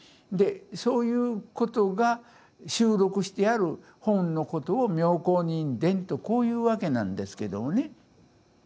でそういうことが収録してある本のことを「妙好人伝」とこういう訳なんですけどもね。